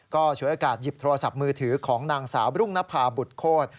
ก็ฉวยโอกาสหยิบโทรศัพท์มือถือของนางสาวรุ่งนภาบุตรโคตร